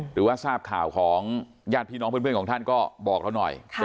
หรือว่าทราบข่าวของญาติพี่น้องเพื่อนของท่านก็บอกเราหน่อย